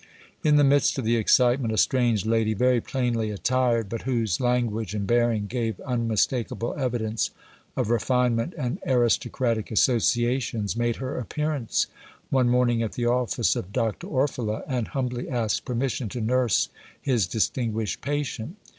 In the midst of the excitement a strange lady, very plainly attired, but whose language and bearing gave unmistakable evidence of refinement and aristocratic associations, made her appearance one morning at the office of Dr. Orfila and humbly asked permission to nurse his distinguished patient.